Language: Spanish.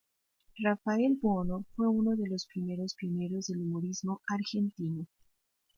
Rafael Buono fue un de los primeros pioneros del humorismo argentino.